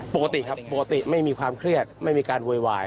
ปกติครับปกติไม่มีความเครียดไม่มีการโวยวาย